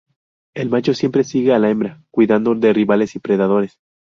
El macho siempre sigue a la hembra, cuidando de rivales y predadores.